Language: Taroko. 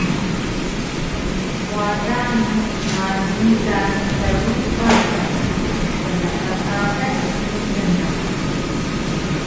wada mu ngalun ka tru patas pneadas su knan